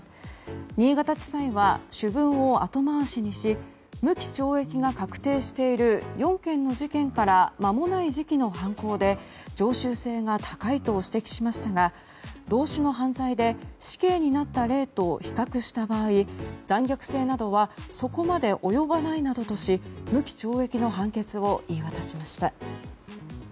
新潟地裁は、主文を後回しにし無期懲役が確定している４件の事件からまもない時期の犯行で常習性が高いと指摘しましたが同種の犯罪で死刑になった例と比較した場合残虐性などはそこまで及ばないなどとし無期懲役の判決を言い渡しました。